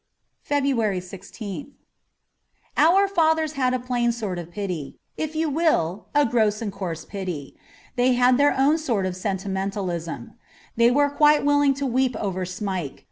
^ SI J FEBRUARY i6th OUR fathers had a plain sort of pity : if you will, a gross and coarse pity. They had their own sort of sentimentalism. They were quite willing to weep over Smike.